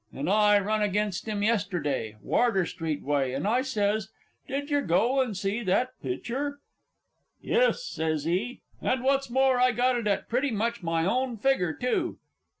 And I run against him yesterday, Wardour Street way, and I sez, "Did yer go and see that picter?" "Yes," sez he, "and what's more, I got it at pretty much my own figger, too!"